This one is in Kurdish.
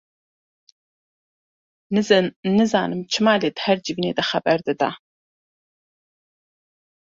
Nizanim çima lê di her civînê de xeber dida.